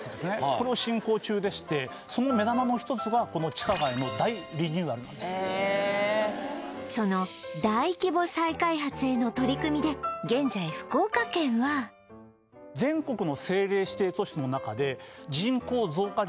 これを進行中でしてその目玉の１つがこの地下街の大リニューアルなんですへえその大規模再開発への取り組みで現在福岡県は全国の政令指定都市の中で人口増加率